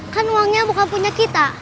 kan uangnya bukan punya kita